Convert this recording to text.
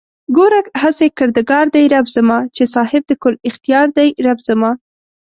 گوره هسې کردگار دئ رب زما چې صاحب د کُل اختيار دئ رب زما